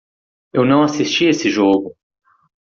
Eu não assisti esse jogo.